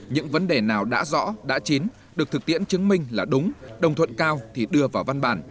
những vấn đề nào đã rõ đã chín được thực tiễn chứng minh là đúng đồng thuận cao thì đưa vào văn bản